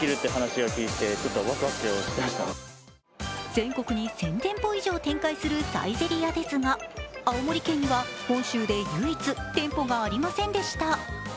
全国に１０００店舗以上展開するサイゼリヤですが青森県には本州で唯一店舗がありませんでした。